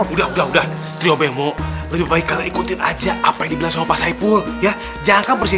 udah udah udah trio bemo lebih baik ikutin aja apa yang dibilang sama pasai pul ya jangka bersih